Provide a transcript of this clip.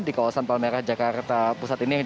di kawasan palmerah jakarta pusat ini